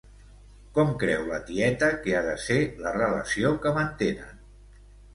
Com creu la tieta que ha de ser la relació que mantenen?